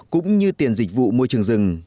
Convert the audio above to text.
cũng như tiền dịch vụ môi trường rừng